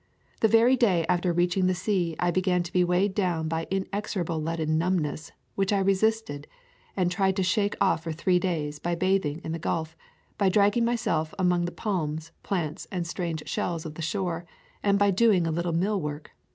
The very day after reach ing the sea I began to be weighed down by in exorable leaden numbness, which I resisted and tried to shake off for three days, by bathing in the Gulf, by dragging myself about among the palms, plants, and strange shells of the shore, and by doing a little mill work.